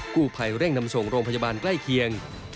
กู้ภัยเร่งนำส่งโรงพยาบาลใกล้เคียง